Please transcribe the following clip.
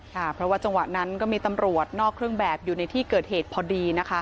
ค่ะเพราะว่าจังหวะนั้นก็มีตำรวจนอกเครื่องแบบอยู่ในที่เกิดเหตุพอดีนะคะ